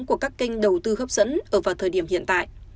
của các kênh đầu tư hấp dẫn ở vào thời điểm hiện tại